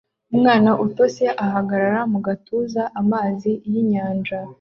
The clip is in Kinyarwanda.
Umwana utose ahagarara mu gatuza amazi yinyanja